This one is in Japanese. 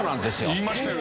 言いましたよね。